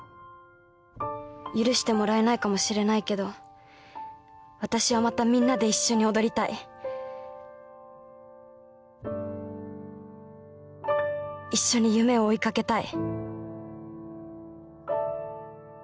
「許してもらえないかもしれないけど私はまたみんなで一緒に踊りたい」「一緒に夢を追い掛けたい」